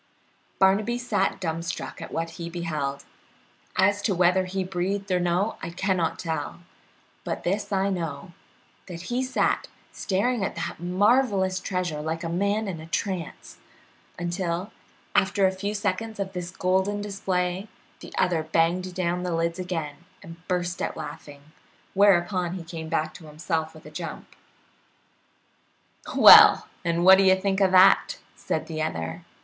Barnaby sat dumb struck at what he beheld; as to whether he breathed or no, I cannot tell; but this I know, that he sat staring at that marvelous treasure like a man in a trance, until, after a few seconds of this golden display, the other banged down the lids again and burst out laughing, whereupon he came back to himself with a jump. "Well, and what do you think of that?" said the other.